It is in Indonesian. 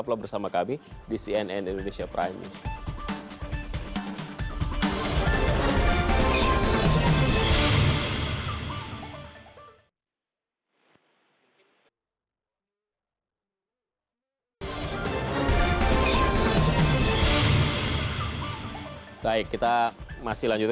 pengawas apakah dia justru perlu diawasi juga